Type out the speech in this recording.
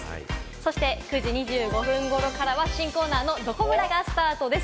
そして９時２５分ごろからは新コーナーのどこブラがスタートです。